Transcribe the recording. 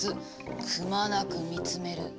くまなく見つめる。